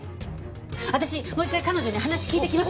私もう一回彼女に話聞いてきます！